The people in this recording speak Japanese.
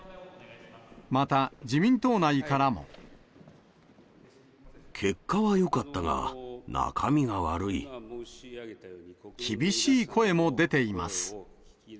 また自民党内からも。結果はよかったが、中身が悪厳しい声も出ています。